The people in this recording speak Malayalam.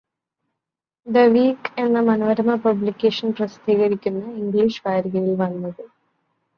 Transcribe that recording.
ദ വീക്ക് എന്ന മനോരമ പബ്ലിക്കേഷൻ പ്രസിദ്ധീകരിക്കുന്ന ഇംഗ്ലീഷ് വാരികയിൽ വന്നത്.